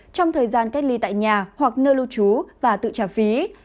trong thời gian cách ly tại nhà hoặc nơi lưu trú và tự trả phí